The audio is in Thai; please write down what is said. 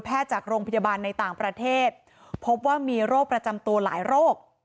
จากโรงพยาบาลในต่างประเทศพบว่ามีโรคประจำตัวหลายโรค